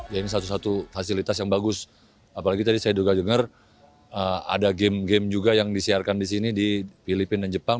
ya ini satu satu fasilitas yang bagus apalagi tadi saya juga dengar ada game game juga yang disiarkan di sini di filipina dan jepang